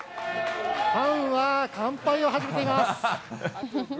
ファンは乾杯を始めています。